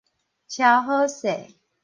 撨好勢